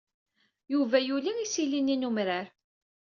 Yuba yuli isili-nni n umrar.